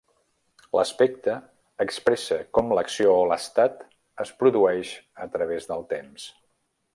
L'aspecte expressa com l'acció o l'estat es produeix a través del temps.